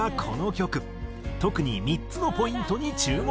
特に３つのポイントに注目。